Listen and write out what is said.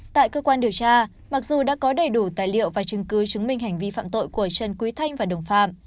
tại cơ quan điều tra mặc dù đã có đầy đủ tài liệu và chứng cứ chứng minh hành vi phạm tội của trần quý thanh và đồng phạm